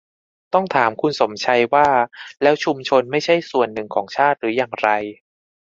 ต้องถามคุณสมชัยว่าแล้วชุมชนไม่ใช่ส่วนหนึ่งของชาติหรืออย่างไร